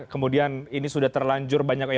kemudian ini sudah terlanjur banyak